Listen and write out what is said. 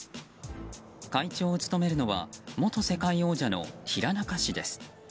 会長を務めるのは元世界王者の平仲氏です。